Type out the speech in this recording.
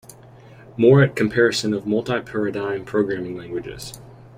More at Comparison of multi-paradigm programming languages.